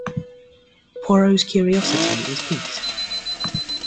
Poirot's curiosity is piqued.